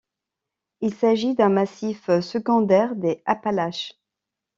Il s'agit d'un massif secondaire des Appalaches.